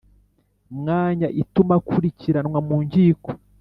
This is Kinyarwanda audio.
mwanya ituma akurikiranwa mu Nkiko